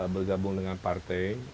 bergabung dengan partai